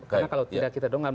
karena kalau tidak kita dongang